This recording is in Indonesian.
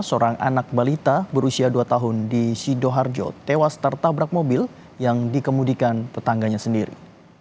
seorang anak balita berusia dua tahun di sidoarjo tewas tertabrak mobil yang dikemudikan tetangganya sendiri